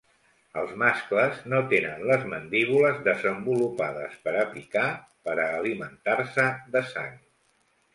Els mascles no tenen les mandíbules desenvolupades per a picar per a alimentar-se de sang.